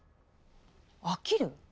飽きる？